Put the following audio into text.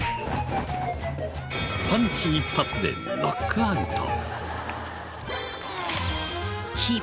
パンチ一発でノックアウト。